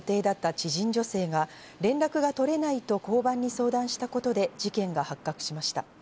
知人女性が、連絡が取れないと交番に相談したことで事件が発覚しました。